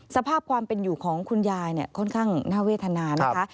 สภาพความเป็นอยู่ของคุณยายค่อนข้างน่าเวทนานะคะ